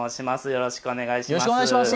よろしくお願いします。